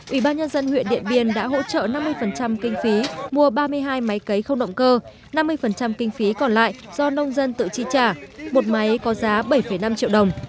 ủy ban nhân dân huyện điện biên đã hỗ trợ năm mươi kinh phí mua ba mươi hai máy cấy không động cơ năm mươi kinh phí còn lại do nông dân tự chi trả một máy có giá bảy năm triệu đồng